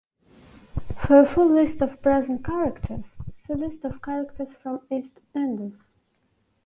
For a full list of present characters see list of characters from "EastEnders".